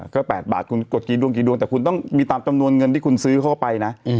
ก็๘บาทคุณกดกี่ดวงกี่ดวงแต่คุณต้องมีตามจำนวนเงินที่คุณซื้อเข้าไปนะ